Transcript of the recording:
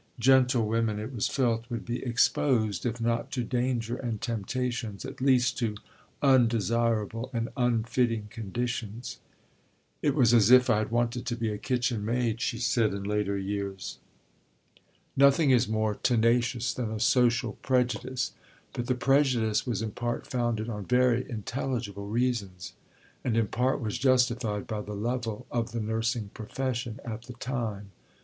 Gentlewomen, it was felt, would be exposed, if not to danger and temptations, at least to undesirable and unfitting conditions. "It was as if I had wanted to be a kitchen maid," she said in later years. Nothing is more tenacious than a social prejudice. But the prejudice was in part founded on very intelligible reasons, and in part was justified by the level of the nursing profession at the time.